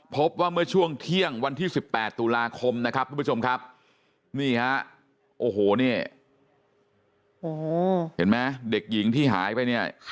พบว่าเมื่อช่วงเที่ยงวันที่๑๘ตุลาคมนะครับทุกผู้ชมครับนี่ฮะโอ้โหนี่เห็นไหมเด็กหญิงที่หายไปเนี่ย